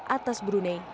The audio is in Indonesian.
delapan atas brunei